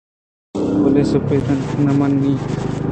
بلئےسپرنٹنڈنٹءَ نہ منّ اِت